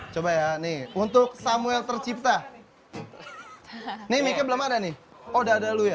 coba ya nih untuk samuel tercipta nih belum ada nih udah ada lu ya